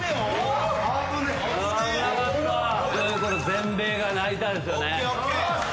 「全米が泣いた」ですよね。